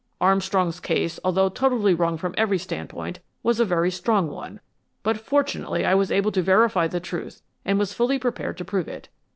Armstrong's case, although totally wrong from every standpoint, was a very strong one, but fortunately I was able to verify the truth and was fully prepared to prove it.